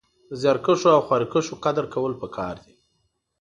د زيارکښو او خواريکښو قدر کول پکار دی